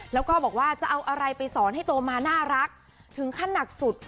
แล้วก็บอกว่าจะเอาอะไรไปสอนให้โตมาน่ารักถึงขั้นหนักสุด